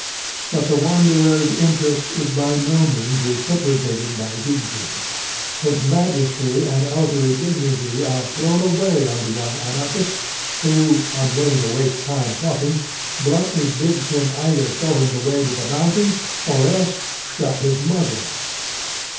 But the Wanderer's interest is by no means reciprocated by Siegfried. His majesty and elderly dignity are thrown away on the young anarchist, who, unwilling to waste time talking, bluntly bids him either show him the way to the mountain, or else "shut his muzzle."